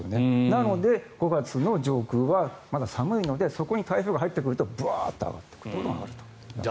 なので、５月の上空はまだ寒いのでそこに台風が入ってくるとぶわーっと上がっていくと。